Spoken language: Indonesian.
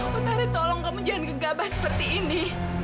putari tolong kamu jangan gegabah seperti ini